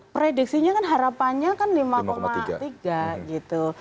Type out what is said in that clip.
prediksinya kan harapannya kan lima tiga gitu